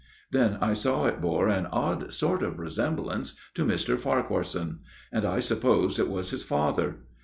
" Then I saw it bore an odd sort of resemblance to Mr. Farquharson ; and I supposed it was his father.